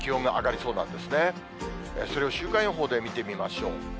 それを週間予報で見てみましょう。